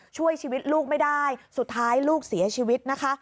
ช่วยชีวิตลูกไม่ได้สุดท้ายลูกเสียชีวิตนะคะ